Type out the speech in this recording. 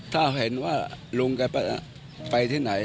ถ้าเห็นว่าลุงแกไปที่ไหน